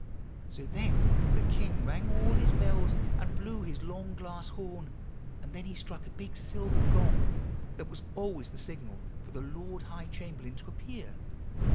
"So then the king rang all his bells, and blew his long glass horn, and then he struck a big silver gong that was always the signal for the Lord High Chamberlain to appear.